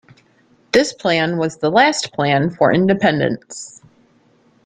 This plan was the last plan for independence.